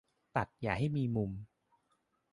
ตัดอย่าให้มีมุม